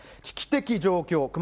危機的状況。